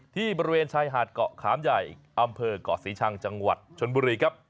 บริเวณชายหาดเกาะขามใหญ่อำเภอกเกาะศรีชังจังหวัดชนบุรีครับ